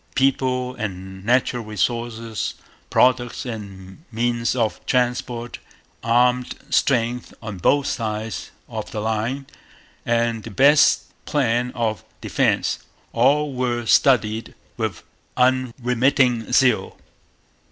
People and natural resources, products and means of transport, armed strength on both sides of the line and the best plan of defence, all were studied with unremitting zeal.